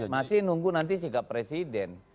masih nunggu nanti sih enggak presiden